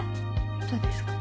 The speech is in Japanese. どうですか？